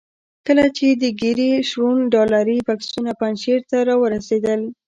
کله چې د ګیري شرون ډالري بکسونه پنجشیر ته را ورسېدل.